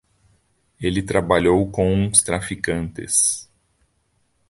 Ele trabalhou com uns traficantes.